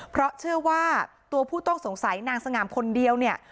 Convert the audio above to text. เพราะเชื่อว่าตัวผู้ต้องสงสัยนางสง่ามคนเดียวเนี่ย